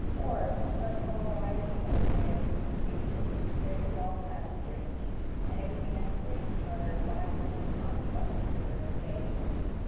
Or, let them all ride in the ordinary city stages, which carry twelve passengers each, and it would be necessary to charter five hundred omnibuses for their conveyance.